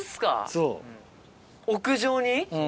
屋上に？